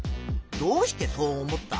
どうしてそう思った？